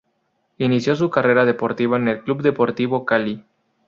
Inició su carrera deportiva en el club Deportivo Cali.